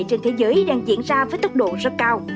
trên thế giới đang diễn ra với tốc độ rất cao